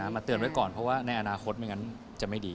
เตือนไว้ก่อนเพราะว่าในอนาคตไม่งั้นจะไม่ดี